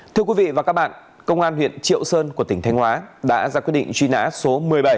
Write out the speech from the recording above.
thưa quý vị và các bạn công an huyện triệu sơn của tỉnh thanh hóa đã ra quyết định truy nã số một mươi bảy